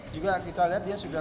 juga kita lihat dia sudah